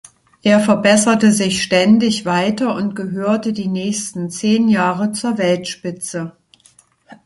Er verbesserte sich ständig weiter und gehörte die nächsten zehn Jahre zur Weltspitze.